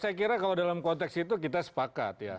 saya kira kalau dalam konteks itu kita sepakat ya